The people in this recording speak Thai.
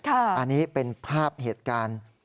อันนี้เป็นภาพเหตุการณ์